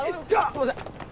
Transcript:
すいません。